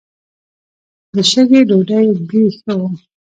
د شګې ډوډۍ بوی ښه و.